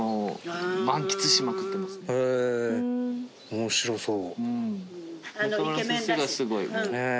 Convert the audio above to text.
面白そう。